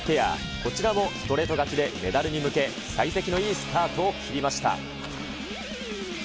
こちらもストレート勝ちでメダルに向け、幸先のいいスタートを切りました。